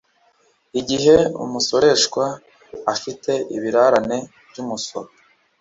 igihe umusoreshwa afite ibirarane by umusoro